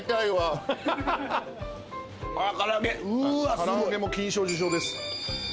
唐揚げも金賞受賞です。